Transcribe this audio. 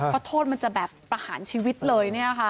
เพราะโทษมันจะให้หลักประหารชีวิตเลยโอเค